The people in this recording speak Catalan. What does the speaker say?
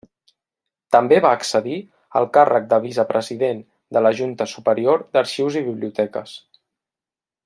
També va accedir al càrrec de vicepresident de la Junta Superior d'Arxius i Biblioteques.